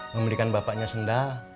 memberikan bapaknya sendal